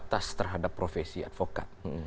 ini terbatas terhadap profesi advokat